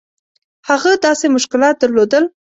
هغه داسې مشکلات درلودل.